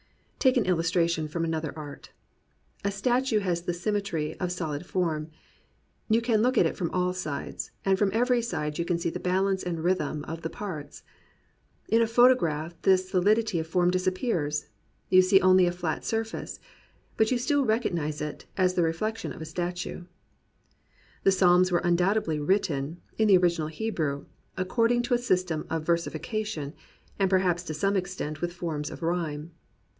Take an illustration from another art. A statue has the symmetry of solid form. You can look at it from all sides, and from every side you can see the balance and rhythm of the parts. In a photograph this solidity of form disappears. You see only a flat surface. But you still recognize it as the re flection of a statue. The Psalms were undoubtedly written, in the original Hebrew, according to a system of versifica tion, and perhaps to some extent with forms of rhyme.